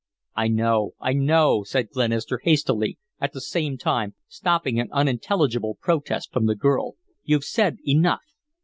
"I know I know," said Glenister, hastily, at the same time stopping an unintelligible protest from the girl. "You've said enough."